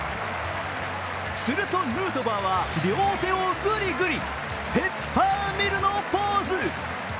するとヌートバーは両手をグリグリ、ペッパーミルのポーズ。